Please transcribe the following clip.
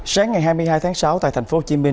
sáng ngày hai mươi hai tháng sáu tại tp hcm